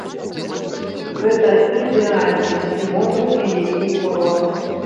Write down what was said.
Гэта ідэальны зімовы і летні курорт.